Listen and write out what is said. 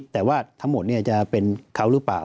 แต่ว่าทั้งหมดจะเป็นเขาหรือเปล่า